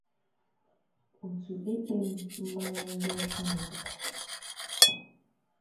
otu ekpem mmanya ndị ọcha mepụtara